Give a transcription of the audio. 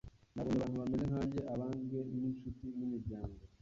Nabonye abantu bameze nkanjye, abanzwe n’incuti n’imiryango,